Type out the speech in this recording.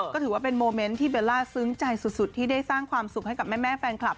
ก็ถือว่าเป็นโมเมนต์ที่เบลล่าซึ้งใจสุดที่ได้สร้างความสุขให้กับแม่แฟนคลับ